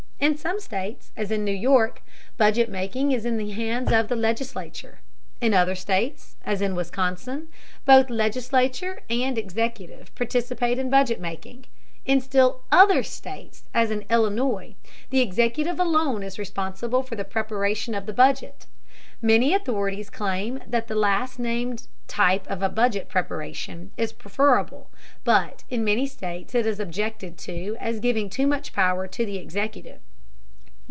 In some states, as in New York, budget making is in the hands of the legislature; in other states, as in Wisconsin, both legislature and executive participate in budget making; in still other states, as in Illinois, the executive alone is responsible for the preparation of the budget. Many authorities claim that the last named type of budget preparation is preferable but, in many states it is objected to as giving too much power to the executive.